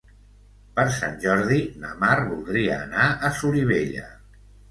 Per Sant Jordi na Mar voldria anar a Solivella.